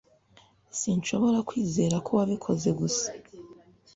sinshobora kwizera ko wabikoze gusa